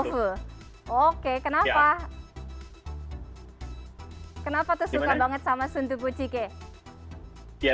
oke kenapa kenapa tuh suka banget sama sundubu jjigae